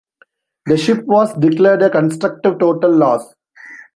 The ship was declared a constructive total loss.